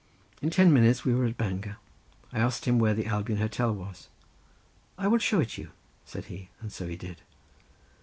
In ten minutes we were at Bangor. I asked him where the Albion Hotel was. "I will show it you," said he, and so he did.